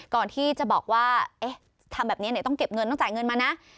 ก่อนที่จะบอกว่าเอ๊ะทำแบบนี้เดี๋ยวต้องเก็บเงินต้องจ่ายเงินมานะ